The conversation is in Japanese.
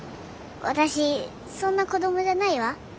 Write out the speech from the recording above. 私そんな子どもじゃないわ。